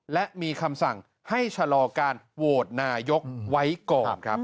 และมีคำสั่งให้ชะลอการโหวตนายกไว้ก่อนครับ